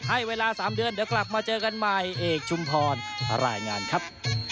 ให้เวลา๓เดือนเดี๋ยวกลับมาเจอกันใหม่เอกชุมพรรายงานครับ